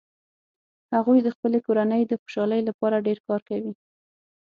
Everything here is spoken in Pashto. هغوي د خپلې کورنۍ د خوشحالۍ لپاره ډیر کار کوي